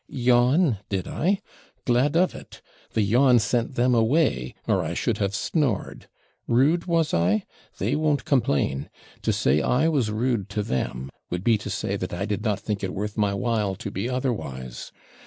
'Yawn, did I? glad of it the yawn sent them away, or I should have snored; rude, was I? they won't complain. To say I was rude to them would be to say, that I did not think it worth my while to be otherwise.